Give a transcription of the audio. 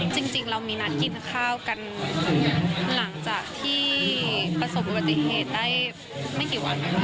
จริงเรามีนัดกินข้าวกันหลังจากที่ประสบอุบัติเหตุได้ไม่กี่วัน